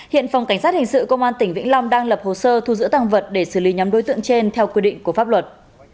hiện phòng cảnh sát hình sự công an tỉnh vĩnh long đang lập hồ sơ thu giữ tăng vật để xử lý nhóm đối tượng trên theo quy định của pháp luật